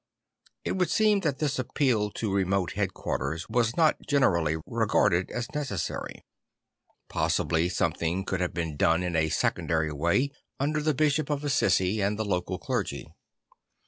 It would seem that this appeal to remote head quarters was not generally regarded as necessary. 122 St. Francis of Assisi possibly something could have been done in a secondary way under the Bishop of Assisi and the local clergy.